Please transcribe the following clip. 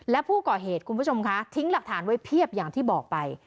และผู้ก่อเหตุคุณผู้ชมคะทิ้งหลักฐานไว้เพียบอย่างที่บอกไป